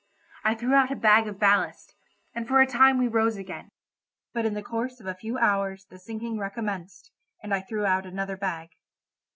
I threw out a bag of ballast, and for a time we rose again, but in the course of a few hours the sinking recommenced, and I threw out another bag.